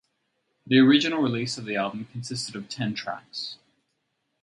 The original release of the album consisted of ten tracks.